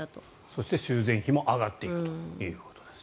そして修繕費も上がっていくということです。